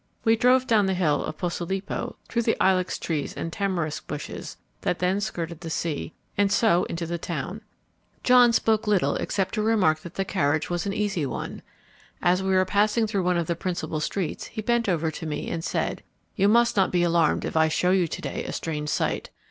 We drove down the hill of Posilipo through the ilex trees and tamarisk bushes that then skirted the sea, and so into the town. John spoke little except to remark that the carriage was an easy one. As we were passing through one of the principal streets he bent over to me and said, "You must not be alarmed if I show you to day a strange sight.